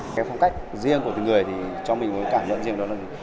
cái phong cách riêng của từng người thì cho mình một cảm nhận riêng đó là